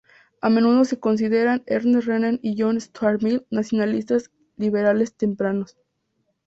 A menudo se consideran Ernest Renan y John Stuart Mill nacionalistas liberales tempranos.